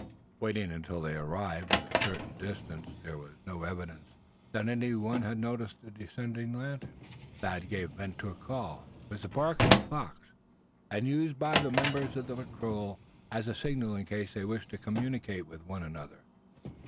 Waiting until they had arrived within a certain distance, and there was no evidence that any one had noticed the descending lantern, Thad gave vent to a call. It was the bark of the fox, and used by the members of the patrol as a signal in case they wished to communicate with one another.